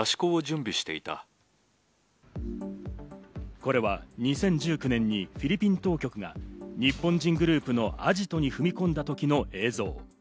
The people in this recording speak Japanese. これは２０１９年にフィリピン当局が日本人グループのアジトに踏み込んだ時の映像。